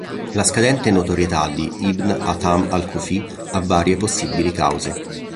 La scadente notorietà di Ibn Aʿtham al-Kūfī ha varie possibili cause.